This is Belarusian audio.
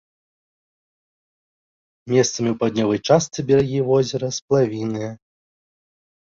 Месцамі ў паўднёвай частцы берагі возера сплавінныя.